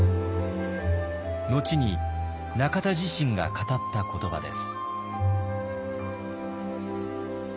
後に中田自身が語った言葉です。